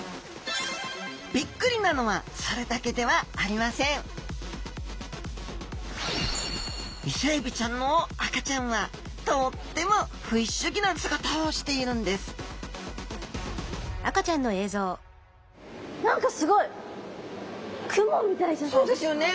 ビックリなのはそれだけではありませんイセエビちゃんの赤ちゃんはとっても不思議な姿をしているんです何かすごいそうですよね。